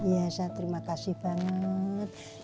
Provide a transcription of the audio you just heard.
ya saya terima kasih banget